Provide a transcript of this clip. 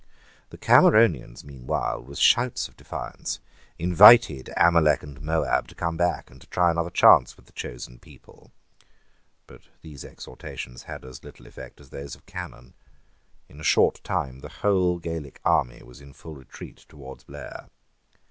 The Cameronians meanwhile, with shouts of defiance, invited Amalek and Moab to come back and to try another chance with the chosen people. But these exhortations had as little effect as those of Cannon. In a short time the whole Gaelic army was in full retreat towards Blair.